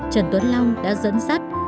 trần tuấn long đã dẫn dắt